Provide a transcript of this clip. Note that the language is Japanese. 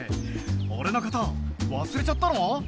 俺のこと忘れちゃったの？